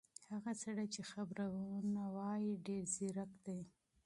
هغه سړی چې خبرونه لولي ډېر لایق دی.